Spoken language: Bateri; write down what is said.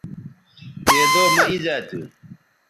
دیدو مہ اِیزا تھو